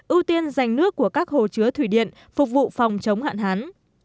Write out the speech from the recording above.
ưu tiên dành nước của các hồ chứa thủy điện phục vụ phòng chống hạn hán